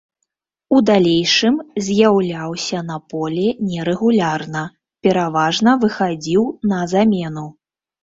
У далейшым з'яўляўся на полі нерэгулярна, пераважна выхадзіў на замену.